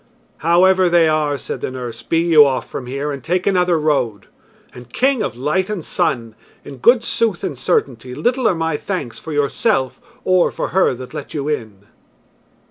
"However they are," said the nurse, "be you off from here and take another road. And, King of Light and Sun! in good sooth and certainty, little are my thanks for yourself or for her that let you in!"